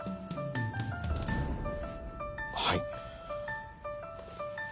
はい。